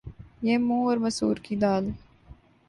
یہ منھ اور مسور کی دال